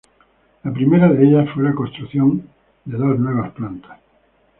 La primera de ellas fue la construcción de dos nuevas plantas.